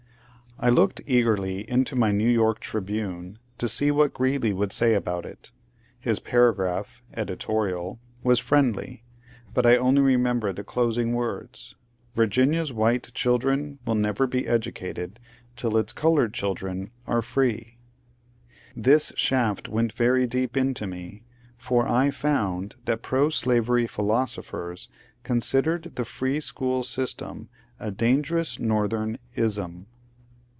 I looked eagerly into my New York ^^ Tribune " to see what Greeley would say about it. His paragraph (editorial) was friendly, but I only remember the closing words :^* Virginia's white children will never be educated till its coloured chil dren are free." This shaft went very deep into me, for 1 found that proslavery ^^philosophers" considered the Free School system a dangerous Northern " ism."